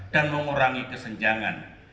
dan mengurangi kesenjangan